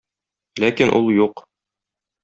Ләкин ул юк.